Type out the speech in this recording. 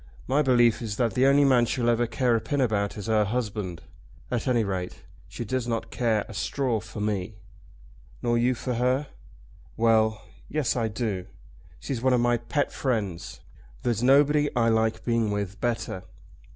My belief is that the only man she'll ever care a pin about is her husband. At any rate she does not care a straw for me." "Nor you for her?" "Well; Yes I do. She's one of my pet friends. There's nobody I like being with better."